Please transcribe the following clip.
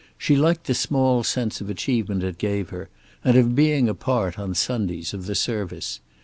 She liked the small sense of achievement it gave her, and of being a part, on Sundays, of the service.